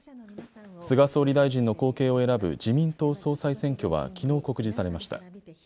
菅総理大臣の後継を選ぶ自民党総裁選挙はきのう告示されました。